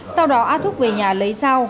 sau đó a thúc về nhà lấy dao